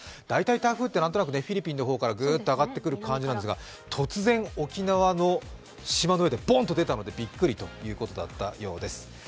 台風ってフィリピンの方からグッと上がってくる感じなんですが突然、沖縄の島の上でボンと出たのでびっくりということだったようです。